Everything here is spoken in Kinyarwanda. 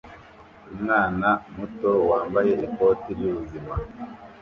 Umwana muto wambaye ikoti ry'ubuzima